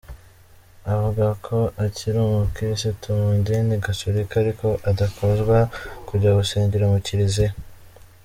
Avuga ko akiri umukirisitu mu idini Gatokila ariko adakozwa kujya gusengera mu kiliziya.